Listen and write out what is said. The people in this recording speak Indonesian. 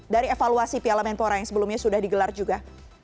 dari evaluasi piala menpora yang sebelumnya sudah digelar juga